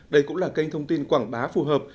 đây cũng là kênh thông tin quảng bá phù hợp